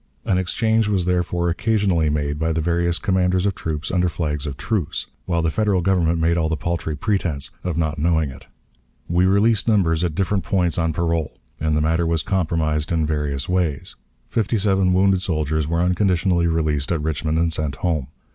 An exchange was therefore occasionally made by the various commanders of troops under flags of truce, while the Federal Government made the paltry pretense of not knowing it. We released numbers at different points on parole, and the matter was compromised in various ways. Fifty seven wounded soldiers were unconditionally released at Richmond and sent home.